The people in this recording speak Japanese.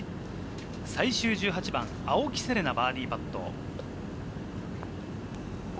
最終１８番、青木瀬令奈、バーディーパット。